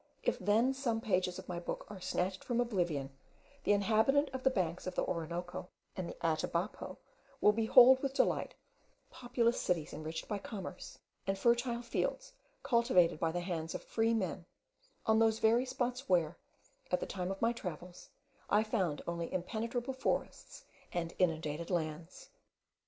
If then some pages of my book are snatched from oblivion, the inhabitant of the banks of the Orinoco and the Atabapo will behold with delight populous cities enriched by commerce, and fertile fields cultivated by the hands of free men, on those very spots where, at the time of my travels, I found only impenetrable forests and inundated lands.